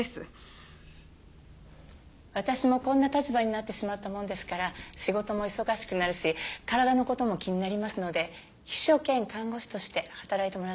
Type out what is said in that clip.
私もこんな立場になってしまったものですから仕事も忙しくなるし体の事も気になりますので秘書兼看護師として働いてもらってます。